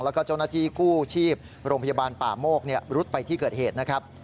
แล้วก็เจ้าหน้าที่กู้ชีพโรงพยาบาลป่าโมกรุดไปที่เกิดเหตุนะครับ